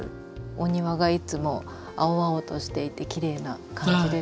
お庭がいつも青々としていてきれいな感じです。